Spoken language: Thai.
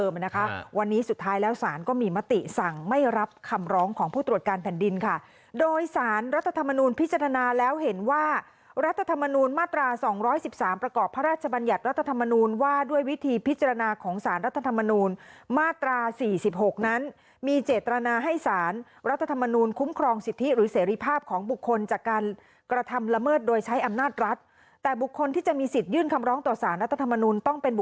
รัฐธรรมนูญมาตรา๒๑๓ประกอบพระราชบัญญัติรัฐธรรมนูญว่าด้วยวิธีพิจารณาของสารรัฐธรรมนูญมาตรา๔๖นั้นมีเจตรณาให้สารรัฐธรรมนูญคุ้มครองสิทธิหรือเสรีภาพของบุคคลจากการกระทำละเมิดโดยใช้อำนาจรัฐแต่บุคคลที่จะมีสิทธิยื่นคำร้องต่อสารรัฐธรรมนูญต้องเป็นบ